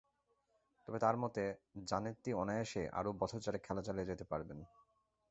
তবে তাঁর মতে জানেত্তি অনায়াসেই আরও বছর চারেক খেলা চালিয়ে যেতে পারবেন।